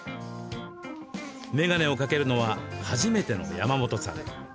眼鏡を掛けるのは初めての山本さん。